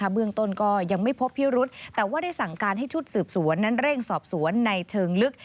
เบื้องต้นก็ยังไม่พบพิรุษแต่ว่าได้สั่งการให้ชุดสืบสวนนั้นเร่งสอบสวนในเชิงลึก